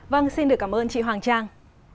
vâng xin được cảm ơn chị hoàng trang